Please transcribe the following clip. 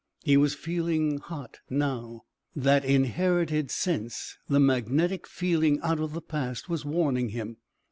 He was feeling hot now. That inherited sense, the magnetic feeling out of the past, was warning him.